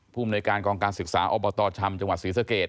ผู้มนุยการกองการศึกษาอตชจังหวัดศรีษภเกต